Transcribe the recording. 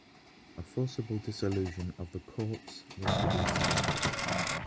A forcible dissolution of the Corps was to be expected.